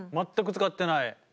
全く使ってない。